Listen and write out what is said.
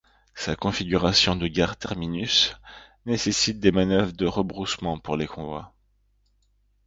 Sa configuration de gare-terminus nécessite des manœuvres de rebroussement pour les convois.